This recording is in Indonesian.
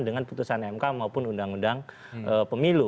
dengan putusan mk maupun undang undang pemilu